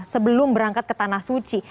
sebelum berangkat ke tanah suci